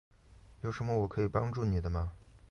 有什么我可以帮助你的吗？